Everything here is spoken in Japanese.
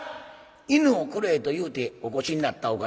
「犬をくれ」と言うてお越しになったお方